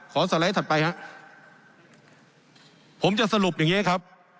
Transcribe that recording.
ขอสไลด์ถัดไปครับผมจะสรุปอย่างเงี้ยครับ